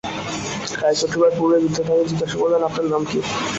গাড়িতে উঠিবার পূর্বে বৃদ্ধ তাহাকে জিজ্ঞাসা করিলেন, আপনার নামটি কী?